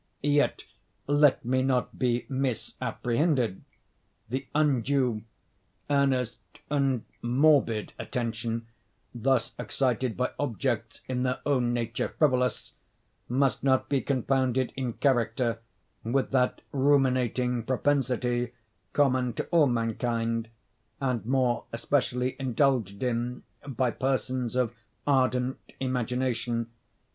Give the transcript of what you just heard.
Yet let me not be misapprehended. The undue, earnest, and morbid attention thus excited by objects in their own nature frivolous, must not be confounded in character with that ruminating propensity common to all mankind, and more especially indulged in by persons of ardent imagination.